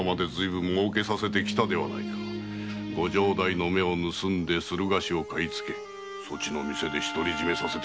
ご城代の目を盗んで駿河紙を買いつけそちの店で独り占めさせてやった。